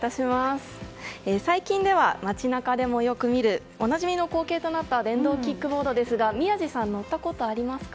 最近では、街中でもよく見るおなじみの光景となった電動キックボードですが宮司さん、乗ったことありますか。